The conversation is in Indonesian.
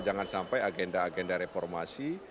jangan sampai agenda agenda reformasi